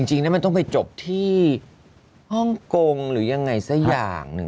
จริงแล้วมันต้องไปจบที่ฮ่องกงหรือยังไงสักอย่างหนึ่ง